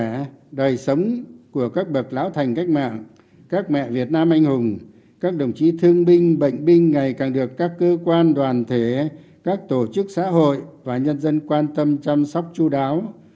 trong đời sống của các bậc lão thành cách mạng các mẹ việt nam anh hùng các đồng chí thương binh bệnh binh ngày càng được các cơ quan đoàn thể các tổ chức xã hội và nhân dân quan tâm chăm sóc chú đáo